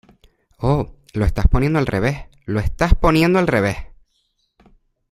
Oh, lo está poniendo al revés. ¡ Lo estás lo estás poniendo al revés!